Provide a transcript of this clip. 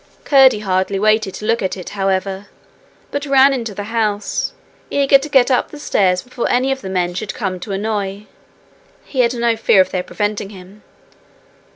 Curdie hardly waited to look at it, however, but ran into the house, eager to get up the stairs before any of the men should come to annoy he had no fear of their preventing him.